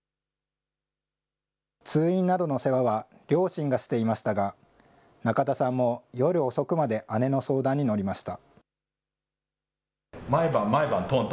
通院などの世話は両親がしていましたが、仲田さんも夜遅くまで姉の相談に乗りました。